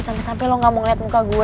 sampai sampai lo gak mau ngeliat muka gue